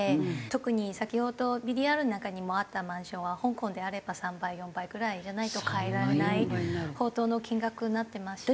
特に先ほどＶＴＲの中にもあったマンションは香港であれば３倍４倍ぐらいじゃないと買えないほどの金額になってまして。